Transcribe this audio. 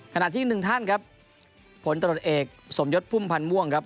ขณะที่อีกหนึ่งท่านครับผลตรวจเอกสมยศพุ่มพันธ์ม่วงครับ